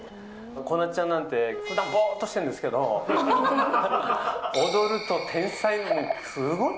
こなつちゃんなんて、ふだんぼーっとしてるんですけど、踊ると天才。